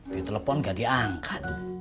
ditelepon gak diangkat